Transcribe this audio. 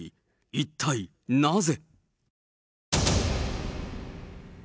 一体、なぜ？